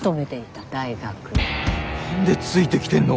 何でついてきてんの！？